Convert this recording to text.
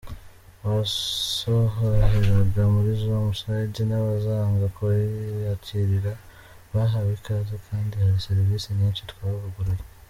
Abasohoheraga muri Zoom Side n’abazaga kuhiyakirira bahawe ikaze kandi hari serivisi nyinshi twavuguruye”.